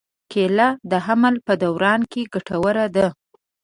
کېله د حمل په دوران کې ګټوره ده.